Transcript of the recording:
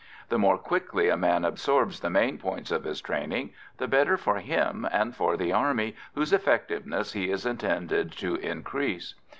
The more quickly a man absorbs the main points of his training, the better for him and for the army whose effectiveness he is intended to increase.